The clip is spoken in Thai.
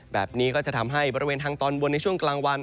แบบนี้ก็จะทำให้บริเวณทางตอนบนในช่วงกลางวัน